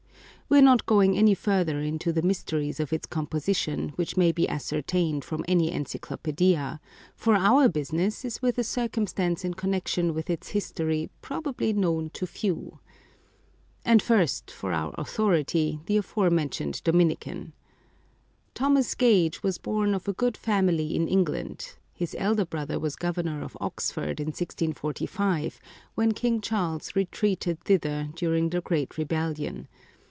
We are not going any further into the mysteries of its composition, which may be ascertained from any encyclopaedia, for our business is with a cir cumstance in connection with its history probably known to few. And first for our authority — the afore mentioned Dominican. Thomas Gage was born of a good 268 Chiapa Chocolate family in England ; his elder brother was Governor of Oxford in 1645, when King Charles retreated thither during the Great Rebellion.